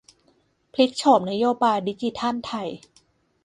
พลิกโฉมนโยบายดิจิทัลไทย